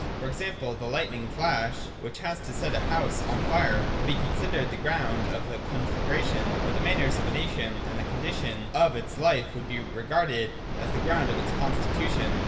For example, the lightning flash which has set a house on fire would be considered the ground of the con flagration : or the manners of a nation and the condition of its life would be regarded as the ground of its constitution.